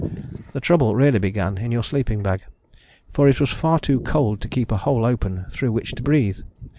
The trouble really began in your sleeping bag, for it was far too cold to keep a hole open through which to breathe.